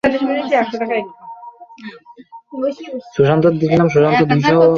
তাঁকে দেখে মনে হয়নি তিনি নিসার আলির অনুরোধ মনে রাখবেন।